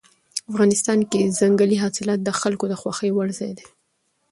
افغانستان کې ځنګلي حاصلات د خلکو د خوښې وړ ځای دی.